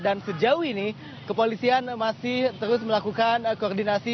dan sejauh ini kepolisian masih terus melakukan koordinasi